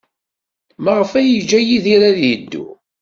Maɣef ay yeǧǧa Yidir ad yeddu?